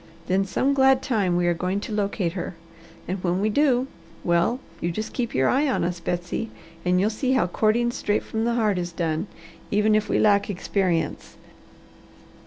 Then some glad time we are going to locate her, and when we do, well, you just keep your eye on us, Betsy, and you'll see how courting straight from the heart is done, even if we lack experience."